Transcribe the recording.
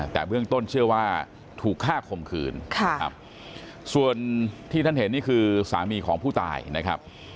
แต่เบื้องต้นเชื่อว่าถูกฆ่าข่มขืนส่วนที่ท่านเห็นนี่คือสามีของผู้ตายนะครับ